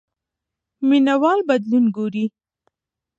مینه وال بدلون ګوري.